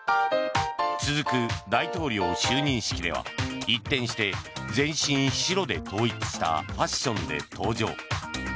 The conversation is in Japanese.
続く大統領就任式では一転して全身白で統一したファッションで登場。